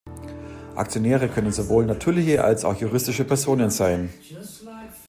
Aktionäre können sowohl natürliche als auch juristische Personen sein.